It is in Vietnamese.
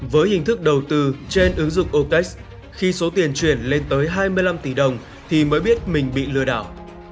với hình thức đầu tư trên ứng dụng okex khi số tiền chuyển lên tới hai mươi năm tỷ đồng thì mới biết mình bị lừa đảo